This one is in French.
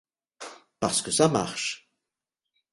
Parce que ça marche.